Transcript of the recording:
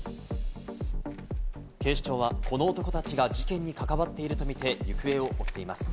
警視庁はこの男たちが事件に関わっているとみて、行方を追っています。